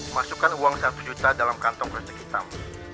masukkan uang satu juta dalam kantong plastik hitam